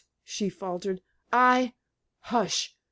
she faltered. "I " "Hush!